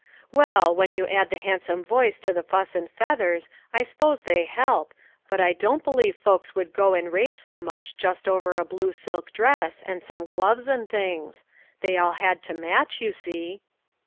" Well, when you add the handsome voice to the fuss and feathers, I s'pose they help, but I don't believe folks would go and rave so much 270 LITTLE FISHEKS: AND THEIR NETS. just over a blue silk dress, and some gloves, and things. They all had to match, you see."